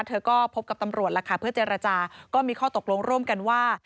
เธอก็พบกับตำรวจล่ะค่ะเพื่อเจรจาก็มีข้อตกลงร่วมกันว่า